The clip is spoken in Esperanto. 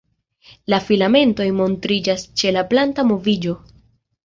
La filamentoj montriĝas ĉe la planta moviĝo.